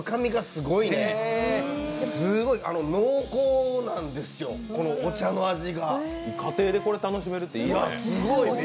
すごい濃厚なんですよ、お茶の味が家庭でこれ楽しめるって、いいね。